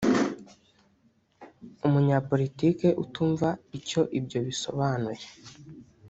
umunyapolitiki utumva icyo ibyo bisobanuye